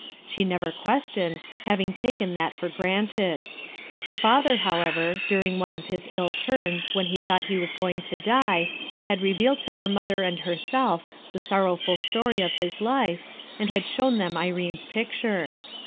She never ques tioned, having taken that for granted Her father, however, during one of his ill turns when he thought he wag going to die, had revealed to her mother and herself the sorrowful story of his life, and had shown them Irene's picture.